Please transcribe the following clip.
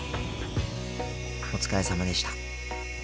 お疲れさまでした。